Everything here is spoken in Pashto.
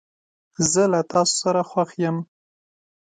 زه له تاسو سره خوښ یم.